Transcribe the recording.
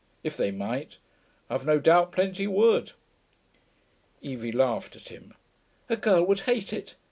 If they might, I've no doubt plenty would.' Evie laughed at him. 'A girl would hate it.